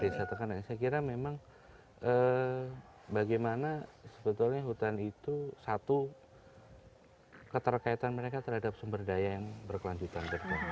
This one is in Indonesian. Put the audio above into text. desa tekanan saya kira memang bagaimana sebetulnya hutan itu satu keterkaitan mereka terhadap sumber daya yang berkelanjutan